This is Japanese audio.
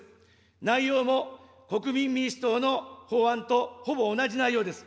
内容も、国民民主党の法案とほぼ同じ内容です。